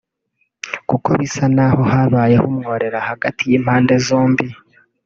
Kuko bisa n’aho habayeho umworera hagati y’impande zombi